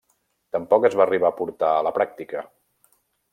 Tampoc es va arribar a portar a la pràctica.